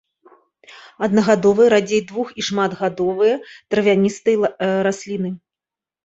Аднагадовыя, радзей двух- і шматгадовы травяністыя расліны.